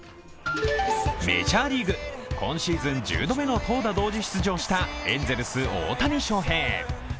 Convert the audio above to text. メジャーリーグ、今シーズン１０度目の投打同時出場したエンゼルス大谷翔平。